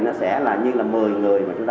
có thể rất là mệt rồi